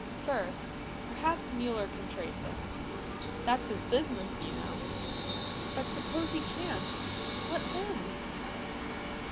"First, perhaps Mueller can trace him. That's his business, you know." "But suppose he can't what then?"